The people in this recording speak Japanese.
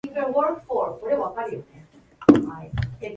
セルジッペ州の州都はアラカジュである